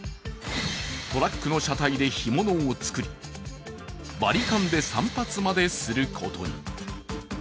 トラックの車体で干物を作り、バリカンで散髪まですることに。